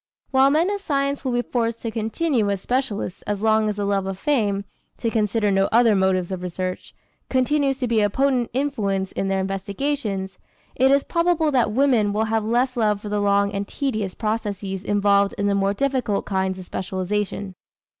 While men of science will be forced to continue as specialists as long as the love of fame, to consider no other motives of research, continues to be a potent influence in their investigations, it is probable that women will have less love for the long and tedious processes involved in the more difficult kinds of specialization.